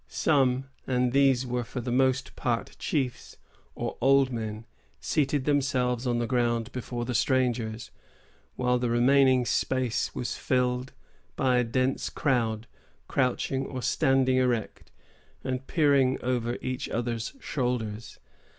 Some, and these were for the most part chiefs, or old men, seated themselves on the ground before the strangers; while the remaining space was filled by a dense crowd, crouching or standing erect, and peering over each other's shoulders.